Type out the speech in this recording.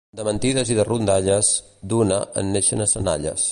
De mentides i de rondalles, d'una, en neixen a senalles.